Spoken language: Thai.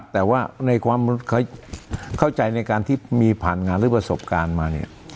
แต่ว่าในความเข้าใจในการที่มีผ่านงานหรือประสบการณ์มาเนี่ย